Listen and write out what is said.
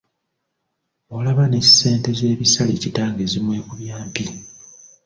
Olaba n’essente z'ebisale kitange zimwekubya mpi!